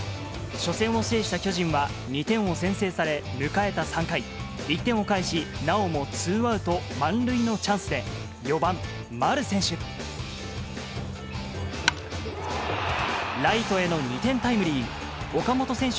初戦を制した巨人は、２点を先制され、迎えた３回、１点を返し、なおもツーアウト満塁のチャンスで、４番丸選手。